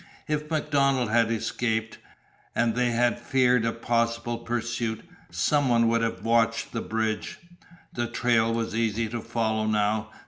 If MacDonald had escaped, and they had feared a possible pursuit, some one would have watched the bridge. The trail was easy to follow now.